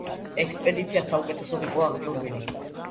ექსპედიცია საუკეთესოდ იყო აღჭურვილი.